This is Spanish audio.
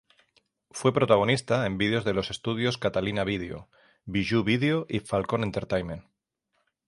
Fue protagonista en videos de los estudios Catalina Video, Bijou Video y Falcon Entertainment.